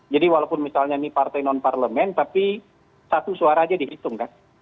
jadi walaupun misalnya ini partai non parlemen tapi satu suara aja dihitung kan